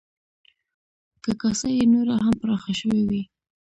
که کاسه یې نوره هم پراخه شوې وی،